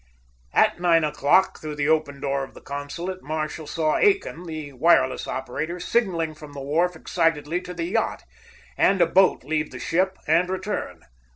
At nine o'clock, through the open door of the consulate, Marshall saw Aiken, the wireless operator, signaling from the wharf excitedly to the yacht, and a boat leave the ship and return.